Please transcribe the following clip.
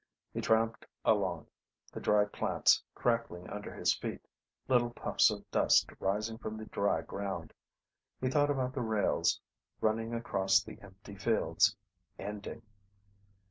He tramped along, the dry plants crackling under his feet, little puffs of dust rising from the dry ground. He thought about the rails, running across the empty fields, ending